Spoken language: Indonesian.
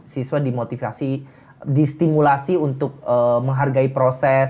siswa dimotivasi distimulasi untuk menghargai proses